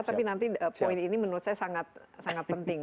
tapi nanti poin ini menurut saya sangat penting